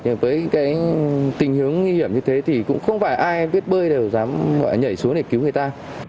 nhưng với tình hướng nguy hiểm như thế thì cũng không phải ai viết bơi đều dám nhảy xuống để cứu người ta